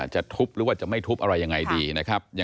จะทุบหรือว่าจะไม่ทุบอะไรยังไงดีนะครับ